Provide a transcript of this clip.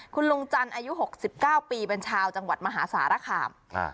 คุณลุงจันทร์อายุ๖๙ปีเป็นชาวจังหวัดมหาสารคาม